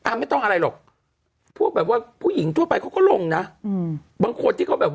อะไรอย่างนี้โอ๊ยรูปแล้วเขาร่วงเลยเหรอโอ๊ยรูปแล้วเขาร่วงเลยเหรอ